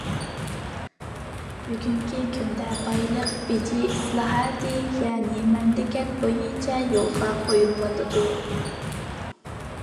بۈگۈنكى كۈندە بايلىق بېجى ئىسلاھاتى يەنە مەملىكەت بويىچە يولغا قويۇلۇۋاتىدۇ.